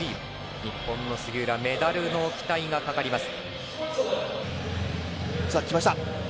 日本の杉浦メダルの期待がかかります。